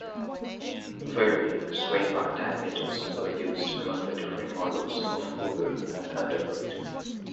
Varying sway bar diameters were used among the different models of Cougar and Thunderbird.